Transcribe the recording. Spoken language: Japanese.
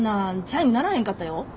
チャイム鳴らへんかったよ。